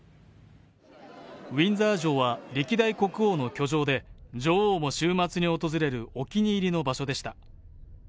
ウィンザー城は歴代国王の居城で、女王も週末に訪れるお気に入りの場所でした。